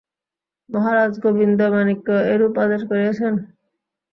মহারাজ গোবিন্দমাণিক্য এইরূপ আদেশ করিয়াছেন?